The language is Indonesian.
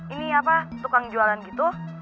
ini apa tukang jualan gitu